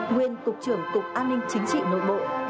nguyên cục trưởng cục an ninh chính trị nội bộ